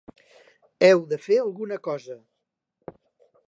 Heu de fer alguna cosa.